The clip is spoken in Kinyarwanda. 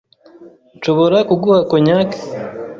Nshobora kuguha cognac?